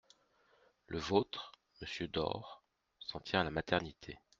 Le vôtre, monsieur Door, s’en tient à la maternité.